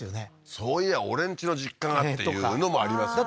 そういや俺んちの実家がっていうのもありますよね